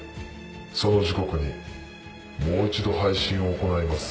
その時刻にもう一度配信を行います。